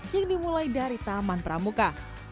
yang dimulai dari taman pramuka